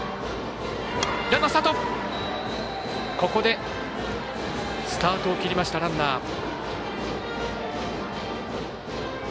ここで、スタートを切りましたランナー。